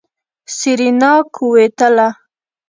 سېرېنا کېوتله.